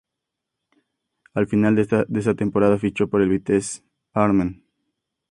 Al final de esa temporada fichó por el Vitesse Arnhem.